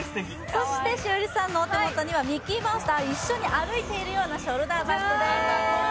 そして栞里さんのお手元にはミッキーマウスと一緒に歩いているようなショルダーバッグです。